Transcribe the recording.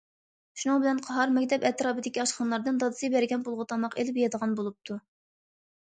شۇنىڭ بىلەن قاھار مەكتەپ ئەتراپىدىكى ئاشخانىلاردىن دادىسى بەرگەن پۇلغا تاماق ئېلىپ يەيدىغان بولۇپتۇ.